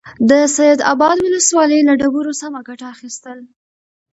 د سيدآباد ولسوالۍ له ډبرو سمه گټه اخيستل: